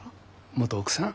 元奥さん？